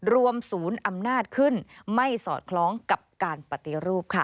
รวมศูนย์อำนาจขึ้นไม่สอดคล้องกับการปฏิรูปค่ะ